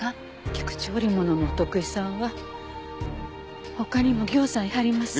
菊池織物のお得意さんは他にもぎょうさんいはりますやろ。